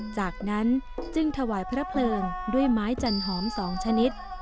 จากนั้นจึงถวายพระเพลิงด้วยไม้จันหอม๒ชนิด